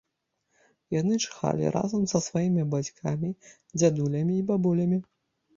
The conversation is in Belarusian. Яны чхалі разам са сваімі бацькамі, дзядулямі і бабулямі.